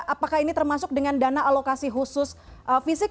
apakah ini termasuk dengan dana alokasi khusus fisik